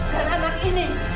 dan anak ini